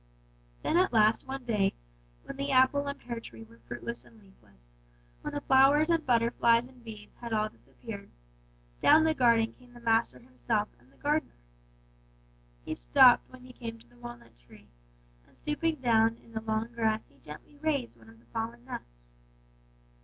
"And then at last one day, when the apple and pear tree were fruitless and leafless, when the flowers and butterflies and bees had all disappeared, down the garden came the master himself and the gardener. "He stopped when he came to the walnut tree, and stooping down in the long grass he gently raised one of the fallen nuts.